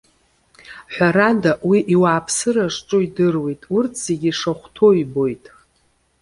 Ҳәарада, Уи иуааԥсыра зҿу идыруеит, урҭ зегьы ишахәҭоу ибоит.